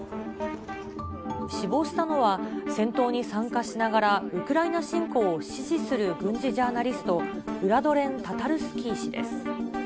死亡したのは、戦闘に参加しながらウクライナ侵攻を支持する軍事ジャーナリスト、ウラドレン・タタルスキー氏です。